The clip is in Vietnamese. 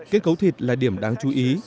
kết cấu thịt là điểm đáng chú ý